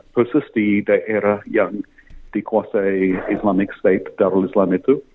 khusus di daerah yang dikuasai islamic state darul islam itu